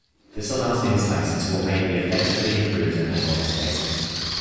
This allows 'insights into what may be effectively improved in hedonic spaces.